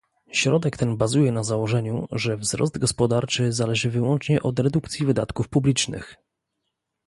Środek ten bazuje na założeniu, że wzrost gospodarczy zależy wyłącznie od redukcji wydatków publicznych